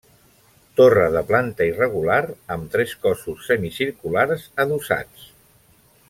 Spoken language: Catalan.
Torre de planta irregular amb tres cossos semicirculars adossats.